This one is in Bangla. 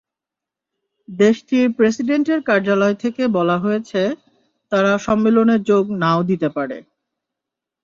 দেশটির প্রেসিডেন্টের কার্যালয় থেকে বলা হয়েছ, তারা সম্মেলনে যোগ না–ও দিতে পারে।